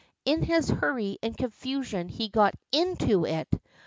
In his hurry and confusion, he got into it.